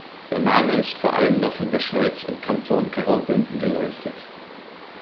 Der Name ist vor allem noch in der Schweiz im Kanton Graubünden geläufig.